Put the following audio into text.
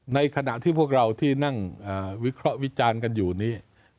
ในขณะที่พวกเราที่นั่งวิเคราะห์วิจารณ์กันอยู่นี้